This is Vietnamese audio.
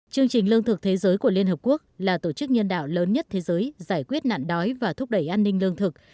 chương trình lương thực thế giới của liên hợp quốc là tổ chức nhân đạo lớn nhất thế giới giải quyết nạn đói và thúc đẩy an ninh lương thực